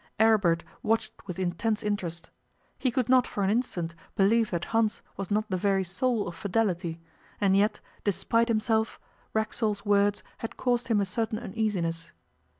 Aribert watched with intense interest. He could not for an instant believe that Hans was not the very soul of fidelity, and yet, despite himself, Racksole's words had caused him a certain uneasiness.